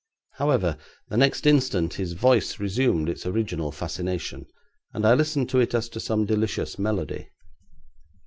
However, the next instant his voice resumed its original fascination, and I listened to it as to some delicious melody.